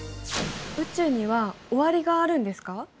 宇宙には終わりがあるんですか？